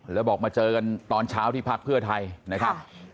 แล้วบอกมาเจอกันตอนเช้าที่พักเพื่อไทยนะครับ